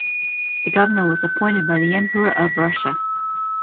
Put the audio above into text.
The Governor was appointed by the Emperor of Russia.